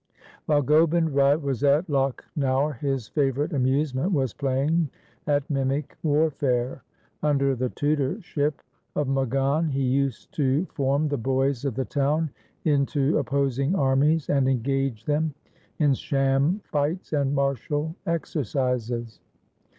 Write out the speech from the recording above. While Gobind Rai was at Lakhnaur his favourite amusement was playing at mimic warfare. Under the tutorship of Magan he used to form the boys of the town into opposing armies and engage them in sham fights and martial exercises.